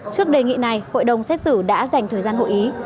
trước đề nghị này hội đồng xét xử đã dành thời gian hội ý